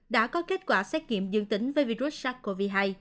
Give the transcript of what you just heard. đã có kết quả xét nghiệm dương tính với virus sars cov hai